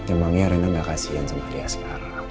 emangnya rena gak kasian sama dia sekarang